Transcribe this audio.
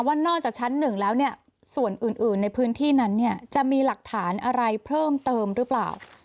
ว่านอกจากชั้น๑แล้วส่วนอื่นในพื้นที่นั้นจะมีหลักฐานอะไรเพิ่มเติมหรือเปล่า